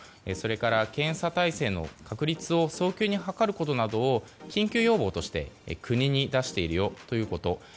それから、検査体制の確立を早急に図ることなど緊急要望として国に出しているよということ。